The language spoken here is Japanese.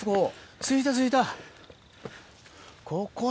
着いた着いた。